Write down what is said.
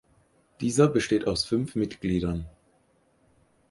Dieser besteht aus fünf Mitgliedern.